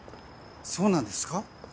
そうなんですか？